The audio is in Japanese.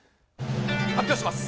発表します。